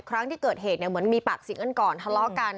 ครั้งที่เกิดเหตุเนี่ยเหมือนมีปากเสียงกันก่อนทะเลาะกัน